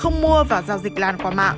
không mua và giao dịch lan qua mạng